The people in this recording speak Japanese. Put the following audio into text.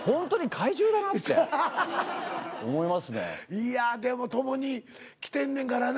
いやでも共にきてんねんからな。